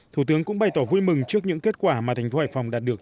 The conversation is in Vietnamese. thủ tướng cũng bày tỏ vui mừng trước những kết quả mà thành phố hải phòng đạt được